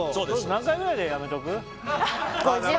何回ぐらいでやめとく？